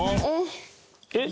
えっ？